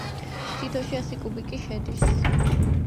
თითოში ასი კუბიკი შედის.